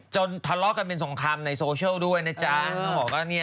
จนทะเลาะกันเป็นสงครามในโซเชียลด้วยนะจ๊ะถ้าที่ผมก็เนี่ย